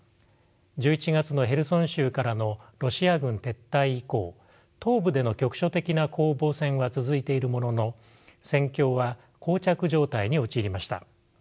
１１月のヘルソン州からのロシア軍撤退以降東部での局所的な攻防戦は続いているものの戦況は膠着状態に陥りました。